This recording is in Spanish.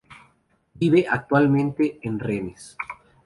Vive actualmente en Rennes.